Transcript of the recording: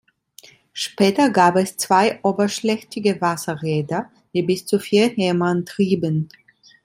Später gab es zwei oberschlächtige Wasserräder, die bis zu vier Hämmer antrieben.